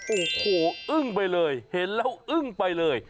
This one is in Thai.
โอ้โหอึ้งไปเลยเห็นแล้วอึ้งไปเลย